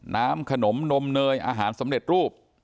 น้ำขนมนมเนยอาหารสำเร็จรูป